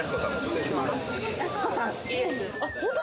やす子さん好きです。